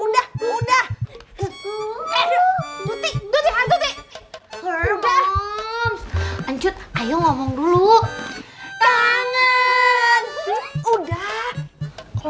nggak selesai selesai tau nggak sih